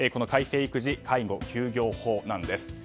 改正育児・介護休業法なんです。